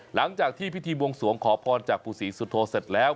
หลังจากที่พิธีบวงสวงขอพรจากปู่ศรีสุโธเสร็จแล้ว